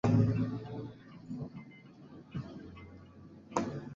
Mutahaba katika Mahojiano yake na Bongo tano aliwahi kusema kuwa mwanzoni walianza kuwachukua